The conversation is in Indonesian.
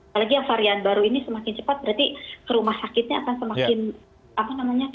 apalagi yang varian baru ini semakin cepat berarti rumah sakitnya akan semakin cepat